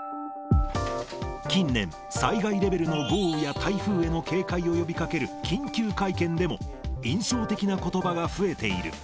近年、災害レベルの豪雨や台風への警戒を呼びかける緊急会見でも、印象的なことばが増えている。